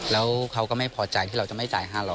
แล้วเขาก็ไม่พอใจที่เราจะไม่จ่าย๕๐๐